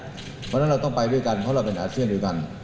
เพราะฉะนั้นเราต้องไปด้วยกันเพราะเราเป็นอาเซียนด้วยกัน